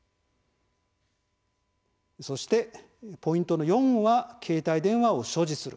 そしてポイントの４は携帯電話を所持する。